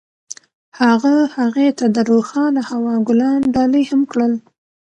هغه هغې ته د روښانه هوا ګلان ډالۍ هم کړل.